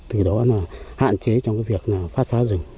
từ đó là hạn chế trong cái việc phát phá rừng